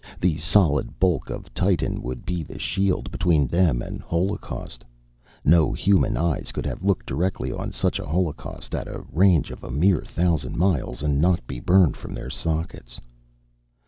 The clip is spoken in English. The solid bulk of Titan would be the shield between them and holocaust. No human eyes could have looked directly on such a holocaust, at a range of a mere thousand miles, and not be burned from their sockets.